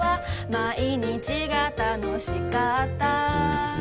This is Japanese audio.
毎日が楽しかった